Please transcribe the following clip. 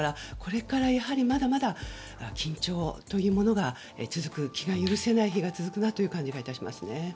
これからまだまだ緊張というものが気が許せない日が続くなという感じがしますね。